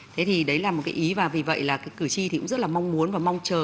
thế thì đấy là một cái ý và vì vậy là cử tri thì cũng rất là mong muốn và mong chờ